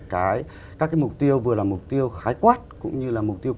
cái các cái mục tiêu vừa là mục tiêu khái quát cũng như là mục tiêu